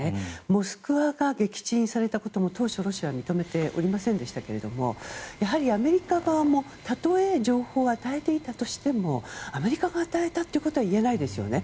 「モスクワ」が撃沈されたことも当初、ロシアは認めていませんでしたがやはりアメリカ側もたとえ情報を与えていたとしてもアメリカが与えたということは言えないですよね。